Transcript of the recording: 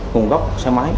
nguồn gốc xe máy